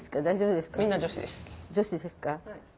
大丈夫ですか？